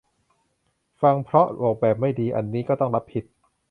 พังเพราะออกแบบไม่ดี อันนี้ก็ต้องรับผิด